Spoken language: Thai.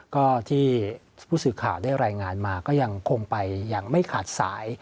ก็ที่ผู้สื่อข่าวได้รายงานมาก็ยังคงไปอย่างไม่ขาดสาย